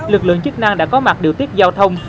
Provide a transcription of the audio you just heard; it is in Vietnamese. lực lượng chức năng đã có mặt điều tiết giao thông